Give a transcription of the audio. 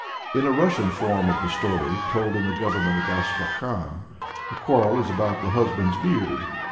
In a Russian form of the story, told in the government of Astrakhan, the quarrel is about the husband's beard.